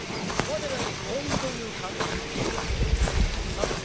何だい？